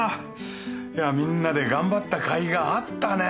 みんなで頑張ったかいがあったね。